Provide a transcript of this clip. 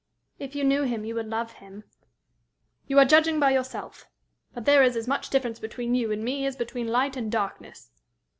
"If you knew him, you would love him." "You are judging by yourself. But there is as much difference between you and me as between light and darkness."